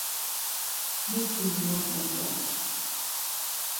Mitis mot naç̌aras.